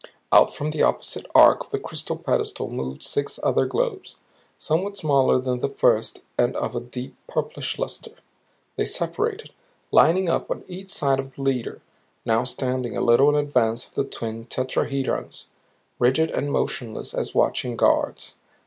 Out from the opposite arc of the crystal pedestal moved six other globes, somewhat smaller than the first and of a deep purplish luster. They separated, lining up on each side of the leader now standing a little in advance of the twin tetrahedrons, rigid and motionless as watching guards.